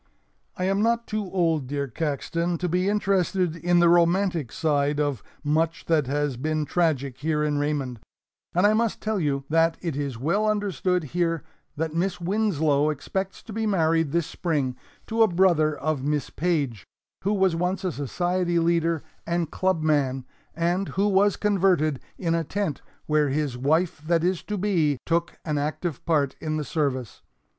I am not too old, dear Caxton, to be interested in the romantic side of much that has also been tragic here in Raymond, and I must tell you that it is well understood here that Miss Winslow expects to be married this spring to a brother of Miss Page who was once a society leader and club man, and who was converted in a tent where his wife that is to be took an active part in the service.